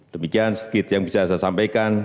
demikian sedikit yang bisa saya sampaikan